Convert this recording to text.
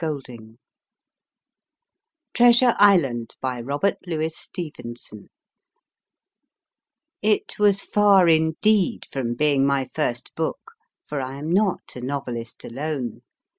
2 9 7 t TREASURE ISLAND BY ROBERT LOUIS STEVENSON IT was far indeed from being my first book, for I am not a novelist alone.